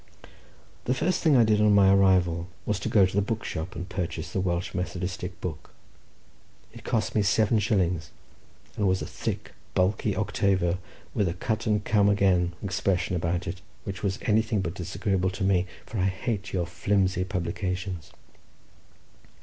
The first thing I did on my arrival was to go to the bookshop and purchase the Welsh methodistic book. It cost me seven shillings, and was a thick, bulky octavo, with a cut and come again expression about it, which was anything but disagreeable to me, for I hate your flimsy publications.